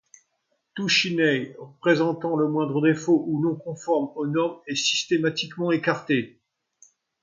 Tout shinai présentant le moindre défaut ou non conforme aux normes est systématiquement écarté.